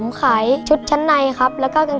ผู้ขายชุดชั้นในรู้สึกตาย